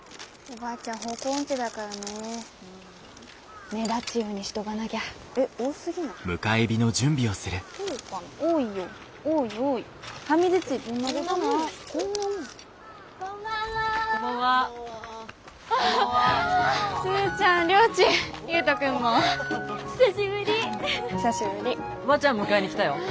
ばあちゃん迎えに来たよ。